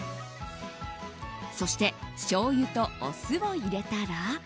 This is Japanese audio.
そしてしょうゆとお酢を入れたら。